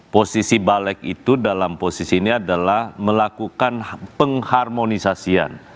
posisi balik itu dalam posisi ini adalah melakukan pengharmonisasian